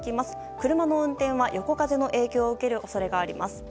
車の運転は横風の影響を受ける恐れがあります。